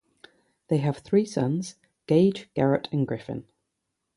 They have three sons, Gage, Garrett, and Griffin.